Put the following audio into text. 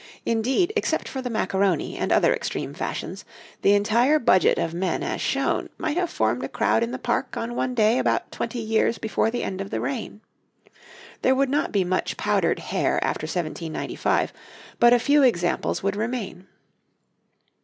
Indeed, except for the Macaroni and other extreme fashions, the entire budget of men as shown might have formed a crowd in the Park on one day about twenty years before the end of the reign. There would not be much powdered hair after 1795, but a few examples would remain.